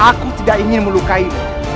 aku tidak ingin melukainya